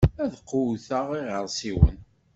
Ad qewwteɣ iɣeṛsiwen.